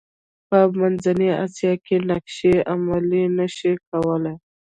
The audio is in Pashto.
په منځنۍ اسیا کې نقشې عملي نه شي کولای.